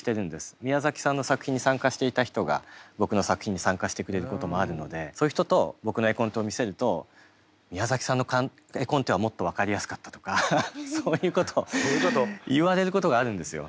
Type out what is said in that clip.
宮崎さんの作品に参加していた人が僕の作品に参加してくれることもあるのでそういう人と僕の絵コンテを見せると「宮崎さんの絵コンテはもっと分かりやすかった」とかそういうことを言われることがあるんですよ。